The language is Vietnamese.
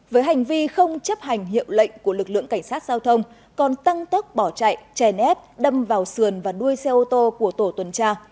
với hành vi không chấp hành hiệu lệnh của lực lượng cảnh sát giao thông còn tăng tốc bỏ chạy chè nép đâm vào sườn và đuôi xe ô tô của tổ tuần tra